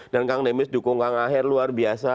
dan kang demis dukung kang ahir luar biasa